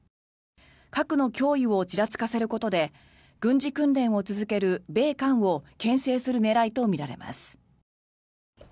核の脅威をちらつかせることで軍事訓練を続ける米韓をけん制する狙いとみられます。